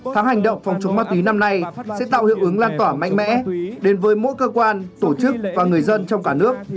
tháng hành động phòng chống ma túy năm nay sẽ tạo hiệu ứng lan tỏa mạnh mẽ đến với mỗi cơ quan tổ chức và người dân trong cả nước